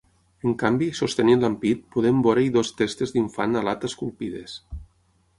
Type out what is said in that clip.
En canvi, sostenint l'ampit, podem veure-hi dues testes d'infant alat esculpides.